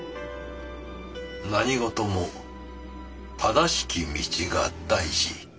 何事も正しき道が大事。